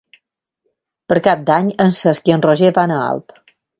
Per Cap d'Any en Cesc i en Roger van a Alp.